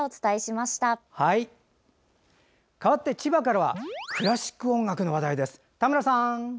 かわって千葉からはクラシック音楽の話題です。